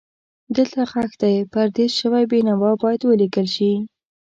دلته ښخ دی پردیس شوی بېنوا باید ولیکل شي.